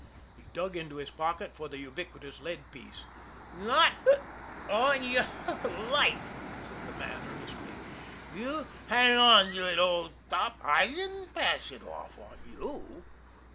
He dug into his pocket for the ubiquitous lead piece. "Not hic! on your life!" said the man earnestly. "You hang onto it, old top. I didn't pass it off on you."